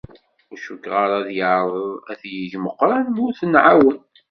Ur cukkeɣ ara ad yeεreḍ ad t-yeg Meqqran ma ur t-nεawen.